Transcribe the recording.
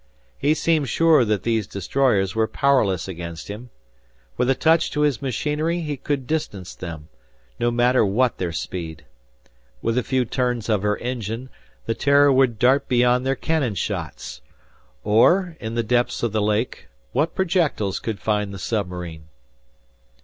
He seemed sure that these destroyers were powerless against him. With a touch to his machinery he could distance them, no matter what their speed! With a few turns of her engine, the "Terror" would dart beyond their cannon shots! Or, in the depths of the lake, what projectiles could find the submarine?